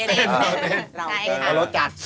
ใช่ค่ะรถจัด